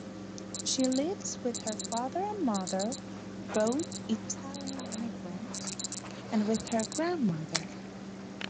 She lives with her father and mother, both Italian immigrants, and with her grandmother.